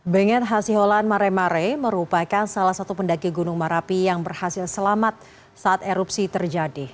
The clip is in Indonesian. benget hasi holan mare mare merupakan salah satu pendaki gunung merapi yang berhasil selamat saat erupsi terjadi